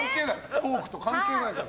トークと関係ない。